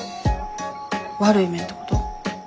悪い面ってこと？